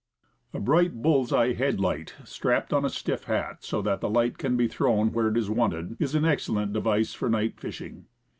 A bright, bullseye headlight, strapped on a stiff hat, so that the light can be thrown where it is wanted, is an excellent device for night fishing.